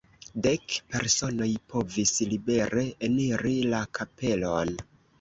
Dek personoj povis libere eniri la kapelon.